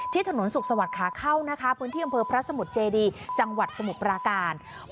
ถนนสุขสวัสดิขาเข้านะคะพื้นที่อำเภอพระสมุทรเจดีจังหวัดสมุทรปราการ